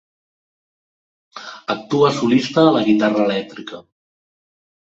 Actua solista a la guitarra elèctrica.